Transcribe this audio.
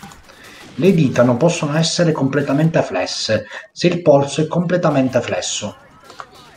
Le dita non possono essere completamente flesse se il polso è completamente flesso.